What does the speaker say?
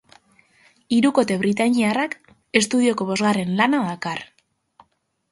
Hirukote britainiarrak estudioko bosgarren lana dakar.